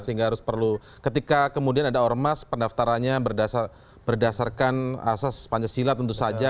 sehingga harus perlu ketika kemudian ada ormas pendaftarannya berdasarkan asas pancasila tentu saja